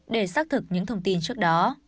để xác thực những thông tin trước đó